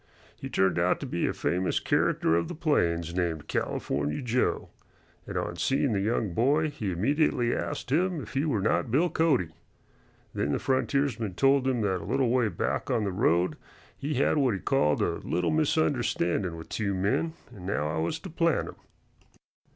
He turned out to be a famous character of the plains named "California Joe," and on seeing the young boy he immediately asked him if he were not Bill Cody. Then the frontiersman told him that a little way back on the road he had what he called "a little misunderstandin' with two men, and now I has to plant 'em."